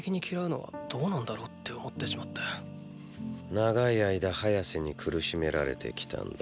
長い間ハヤセに苦しめられてきたんだ。